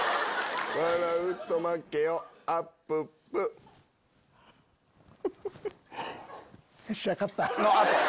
笑うと負けよあっぷっぷよっしゃ勝った。